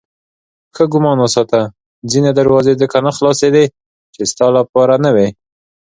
ښه ګمان وساته ځینې دروازې ځکه نه خلاصېدې چې ستا لپاره نه وې.